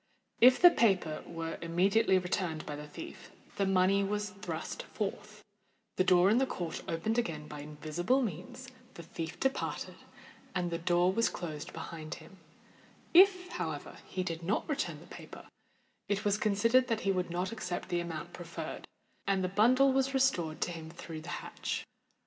If the paper were immediately returned by the thief, the money was thrust forth; the door in the court opened again by invisible means, the thief departed, and the door was closed behind him: if, however, he did not return the paper, it was considered that he would not accept the amount proffered, and the bundle was restored to him through the hatch.